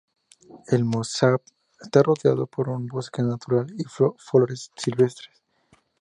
El moshav está rodeado por un bosque natural y flores silvestres.